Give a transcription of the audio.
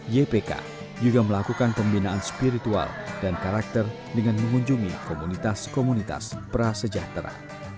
ypk juga melakukan pembinaan spiritual dan karakter dengan mengunjungi komunitas komunitas prasejahtera